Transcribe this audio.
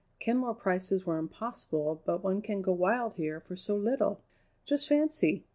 "Kenmore prices were impossible, but one can go wild here for so little. Just fancy!